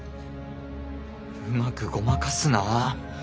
うまくごまかすなぁ。